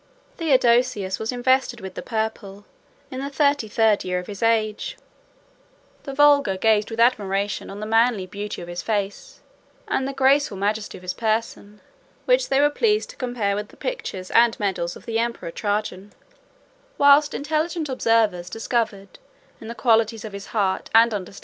Theodosius was invested with the purple in the thirty third year of his age. The vulgar gazed with admiration on the manly beauty of his face, and the graceful majesty of his person, which they were pleased to compare with the pictures and medals of the emperor Trajan; whilst intelligent observers discovered, in the qualities of his heart and understanding, a more important resemblance to the best and greatest of the Roman princes.